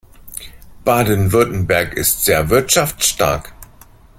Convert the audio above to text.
Baden-Württemberg ist sehr wirtschaftsstark.